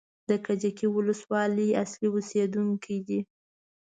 د کجکي ولسوالۍ اصلي اوسېدونکی دی.